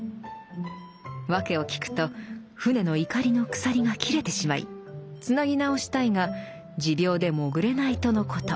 訳を聞くと船の錨の鎖が切れてしまいつなぎ直したいが持病で潜れないとのこと。